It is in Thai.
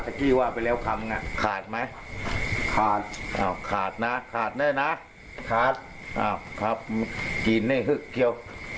สักทีว่าไปแล้วคำขาดไหมขาดขาดนะขาดแล้วนะขาดอ้าวครับกินเนี่ย